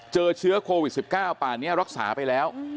เจอเชื้อโควิด๑๙ป่านนี้รักษาไปแล้ว